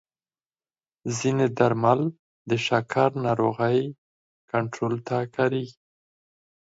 ځینې درمل د شکر ناروغۍ کنټرول ته کارېږي.